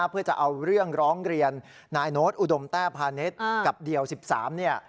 เพื่อจะเอาเรื่องร้องเรียนนายโน้ตอุดมแต้พาณิชย์กับเดี่ยว๑๓เนี่ย